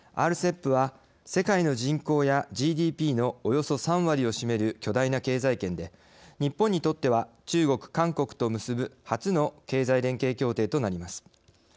ＲＣＥＰは、世界の人口やＧＤＰのおよそ３割を占める巨大な経済圏で日本にとっては中国・韓国と結ぶ初の経済連携協定となります。